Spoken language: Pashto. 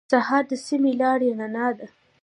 سهار د سمې لارې رڼا ده.